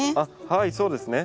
はいそうですね。